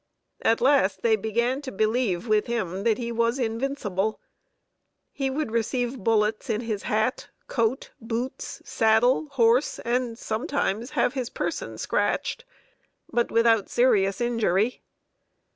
At last they began to believe, with him, that he was invincible. He would receive bullets in his hat, coat, boots, saddle, horse, and sometimes have his person scratched, but without serious injury.